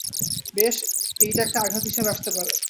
বেশ, এইটা একটা আঘাত হিসেবে আসতে পারে।